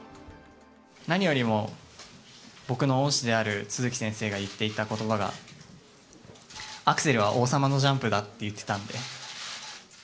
何よりも僕の恩師である都築先生が言っていたことばが、アクセルは王様のジャンプだって言ってたんで。